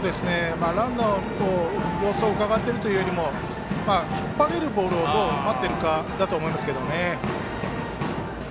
ランナーの様子をうかがっているというよりも引っ張れるボールを待っているかだと思います。